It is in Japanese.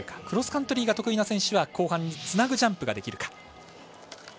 クロスカントリーが得意な選手は後半につなぐジャンプができるか。